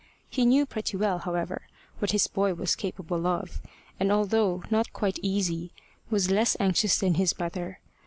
He knew pretty well, however, what his boy was capable of, and although not quite easy was less anxious than his mother.